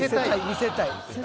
見せたい。